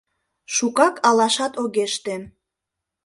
Шукак алашат огеш тем.